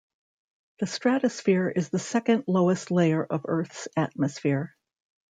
The stratosphere is the second-lowest layer of Earth's atmosphere.